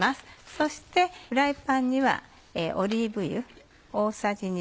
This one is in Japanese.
そしてフライパンにはオリーブ油大さじ１／２。